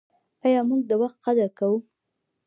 آیا موږ د وخت قدر کوو؟